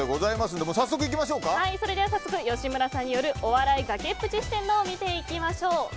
それでは早速、吉村さんによるお笑いがけっぷち四天王を見ていきましょう。